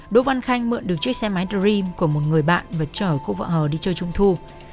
đỗ văn khanh mượn được chiếc xe máy dream của một người bạn và chở cô vợ hờ đi chơi trung thu